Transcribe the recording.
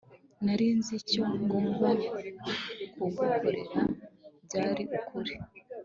nari nzi icyo ngomba kugukorera byari ukuri